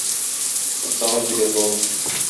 Тагын җибәр бауны.